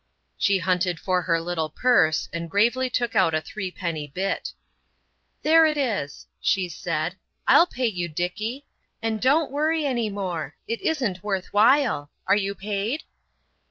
She hunted for her little purse and gravely took out a threepenny bit. "There it is," she said. "I'll pay you, Dickie; and don't worry any more; it isn't worth while. Are you paid?"